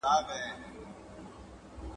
هغه پاڼه چې رنګه وه اوس ژېړه ده.